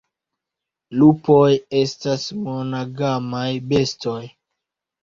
Lupoj estas monogamaj bestoj.